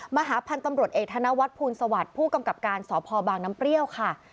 มาหาพันธุ์ตำรวจเอกธนวัฒน์ภูลสวัสดิ์ผู้กำกับการสพบางน้ำเปรี้ยวค่ะ